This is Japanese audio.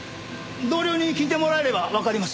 同僚に聞いてもらえればわかりますよ。